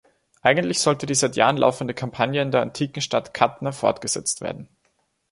Eigentlich sollte die seit Jahren laufende Kampagne in der antiken Stadt Qatna fortgesetzt werden.